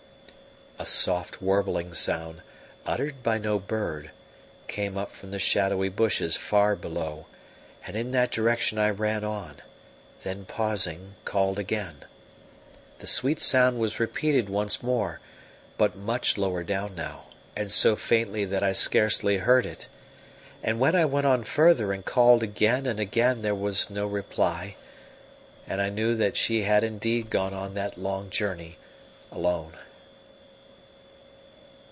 A soft, warbling sound, uttered by no bird, came up from the shadowy bushes far below; and in that direction I ran on; then pausing, called again. The sweet sound was repeated once more, but much lower down now, and so faintly that I scarcely heard it. And when I went on further and called again and again, there was no reply, and I knew that she had indeed gone on that long journey alone.